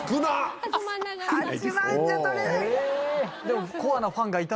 でも。